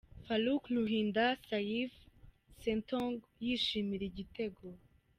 Farouk Ruhinda Saifi Ssentongo yishimira igitego